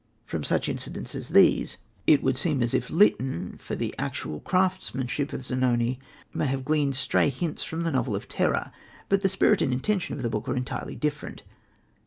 From such incidents as these it would seem as if Lytton, for the actual craftsmanship of Zanoni, may have gleaned stray hints from the novel of terror; but the spirit and intention of the book are entirely different.